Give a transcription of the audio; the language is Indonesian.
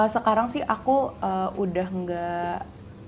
sekarang sih aku udah gak